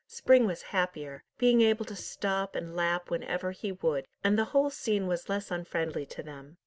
Spring was happier, being able to stop and lap whenever he would, and the whole scene was less unfriendly to them.